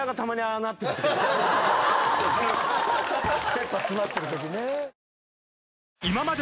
切羽詰まってるときね。